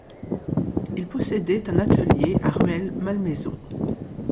Il possédait un atelier à Rueil-Malmaison.